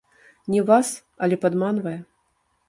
Не вас, але падманвае?